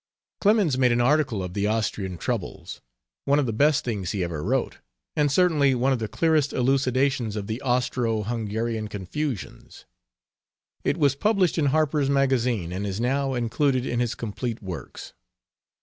Clemens made an article of the Austrian troubles, one of the best things he ever wrote, and certainly one of the clearest elucidations of the Austro Hungarian confusions. It was published in Harper's Magazine, and is now included in his complete works.